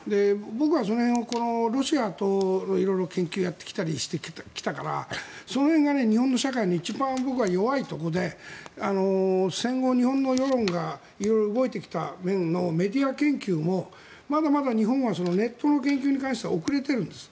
僕はその辺をロシアと色々研究してきたりしたからその辺が日本の社会の一番弱いところで戦後、日本の世論が色々動いてきた面のメディア研究もまだまだ日本はネットの研究に関しては遅れているんです。